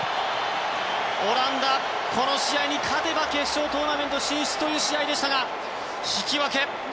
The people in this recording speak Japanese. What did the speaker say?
オランダ、この試合に勝てば決勝トーナメント進出という試合でしたが引き分け！